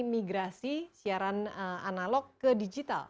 migrasi siaran analog ke digital